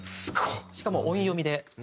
しかも音読みで。